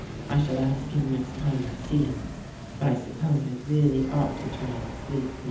I shall ask him next time I see him, but I suppose I really ought to try and sleep now."